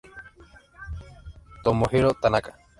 Tomohiro Tanaka